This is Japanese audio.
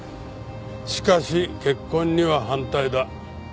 しかし結婚には反対だ。